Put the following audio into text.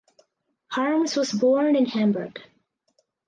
Harms was born in Hamburg.